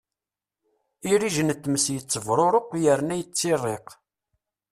Irrij n tmes yettebṛuṛuq u yerna yettiṛṛiq.